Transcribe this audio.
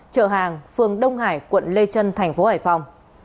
chợ hàng phường đông hải quận lê trân tp hải phòng